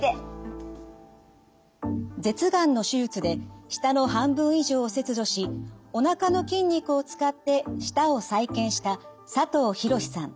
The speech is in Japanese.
舌がんの手術で舌の半分以上を切除しおなかの筋肉を使って舌を再建した佐藤博さん。